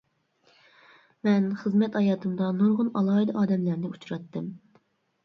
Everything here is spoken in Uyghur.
مەن خىزمەت ھاياتىمدا نۇرغۇن ئالاھىدە ئادەملەرنى ئۇچراتتىم.